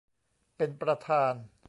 เป็นประธาน